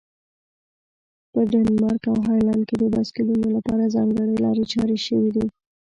په ډنمارک او هالند کې د بایسکلونو لپاره ځانګړي لارې چارې شوي دي.